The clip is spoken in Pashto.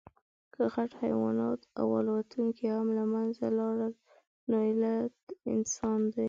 که غټ حیوانات او الوتونکي هم له منځه لاړل، نو علت انسان دی.